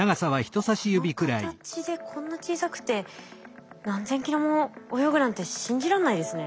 この形でこんな小さくて何千キロも泳ぐなんて信じらんないですね。